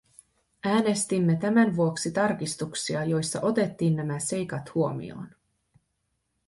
Äänestimme tämän vuoksi tarkistuksia, joissa otettiin nämä seikat huomioon.